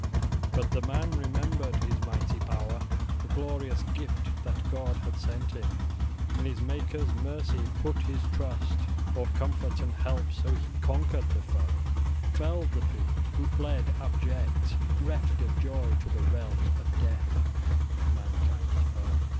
But the man remembered his mighty power, the glorious gift that God had sent him, in his Maker's mercy put his trust for comfort and help: so he conquered the foe, felled the fiend, who fled abject, reft of joy, to the realms of death, mankind's foe.